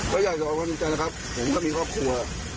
เข้าอยากจะอภัยกันใจนะครับผมก็มีครอบครัว